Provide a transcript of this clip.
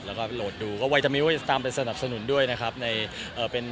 แล้วไปโหลดดูก็ไวตามิโว่ยายจาตามสนับสนุน